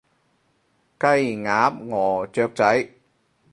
雞，鴨，鵝，雀仔